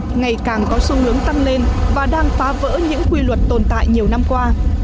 ngày càng có xu hướng tăng lên và đang phá vỡ những quy luật tồn tại nhiều năm qua